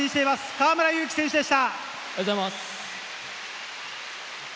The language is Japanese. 河村勇輝選手でした。